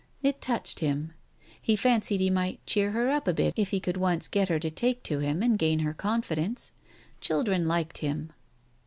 It touched him. He fancied he might cheer her up a bit if he could once get her to take to him and gain her confidence. Children liked him.